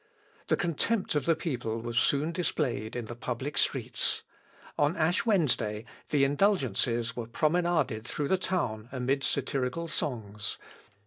The contempt of the people was soon displayed in the public streets. On Ash Wednesday, the indulgences were promenaded through the town amid satirical songs.